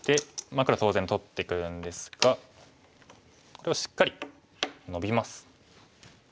まあ黒当然取ってくるんですがこれをしっかりノビます。